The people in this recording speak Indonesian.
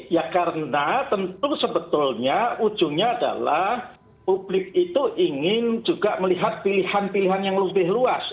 ya karena tentu sebetulnya ujungnya adalah publik itu ingin juga melihat pilihan pilihan yang lebih luas